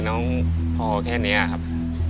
น้องพอแค่นี้ครับ